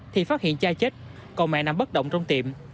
thì phát hiện cha chết còn mẹ nằm bất động trong tiệm